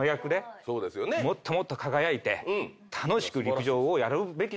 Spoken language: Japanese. もっともっと輝いて楽しく陸上をやるべきじゃないかと。